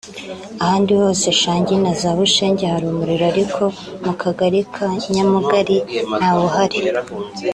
ahandi hose muri Shangi na za Bushenge hari umuriro ariko mu Kagali ka Nyamugali ntawuhari